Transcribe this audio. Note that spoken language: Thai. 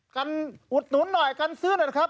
อุดหนุนหน่อยกันซื้อหน่อยนะครับ